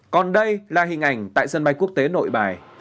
còn đây là hình ảnh tại sân bay quốc tế nội bài